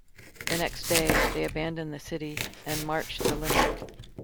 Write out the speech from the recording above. The next day, they abandoned the city and marched to Limerick.